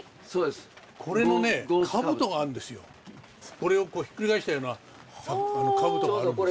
これをひっくり返したような兜があるんですね。